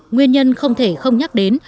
nguyên nhân không thể không nhắc đến